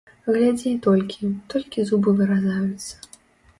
Глядзі, толькі, толькі зубы выразаюцца.